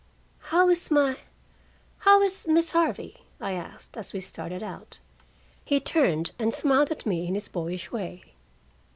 "How is my how is Miss Harvey?" I asked, as we started out. He turned and smiled at me in his boyish way.